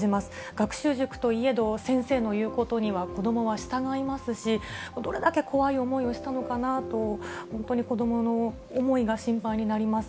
学習塾といえど、先生の言うことには子どもは従いますし、どれだけ怖い思いをしたのかなと、本当に子どもの思いが心配になります。